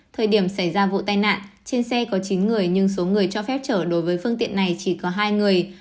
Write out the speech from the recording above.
thời điểm xảy ra vụ tai nạn trên xe có chín người nhưng số người cho phép chở đối với phương tiện này chỉ có hai người